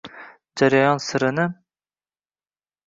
jarayon sirini